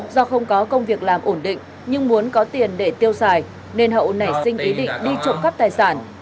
do không có công việc làm ổn định nhưng muốn có tiền để tiêu xài nên hậu nảy sinh ý định đi trộm cắp tài sản